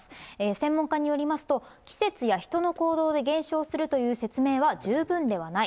専門家によりますと、季節や人の行動で減少するという説明は十分ではない。